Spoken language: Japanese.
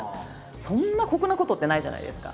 そんな酷なことってないじゃないですか。